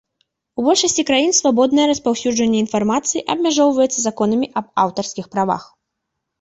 У большасці краін свабоднае распаўсюджванне інфармацыі абмяжоўваецца законамі аб аўтарскіх правах.